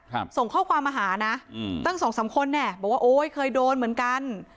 ส่งข้อความมาหานะอืมตั้งสองสามคนเนี่ยบอกว่าโอ้ยเคยโดนเหมือนกัน